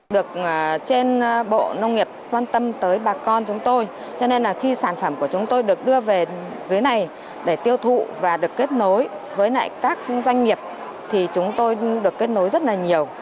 được trên bộ nông nghiệp quan tâm tới bà con chúng tôi cho nên là khi sản phẩm của chúng tôi được đưa về dưới này để tiêu thụ và được kết nối với các doanh nghiệp thì chúng tôi được kết nối rất là nhiều